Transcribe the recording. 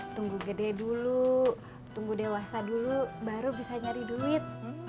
tunggu gede dulu tunggu dewasa dulu baru bisa nyari duit